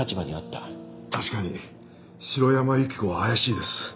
確かに城山由希子は怪しいです。